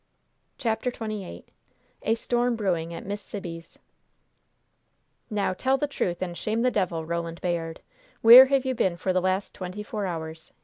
CHAPTER XXVIII A STORM BREWING AT MISS SIBBY'S "Now, tell the truth, and shame the devil, Roland Bayard! Where have you been for the last twenty four hours?"